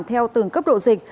theo từng cấp độ dịch